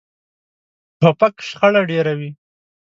توپک شخړه ډېروي.